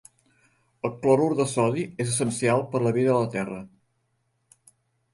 El clorur de sodi és essencial per a la vida a la Terra.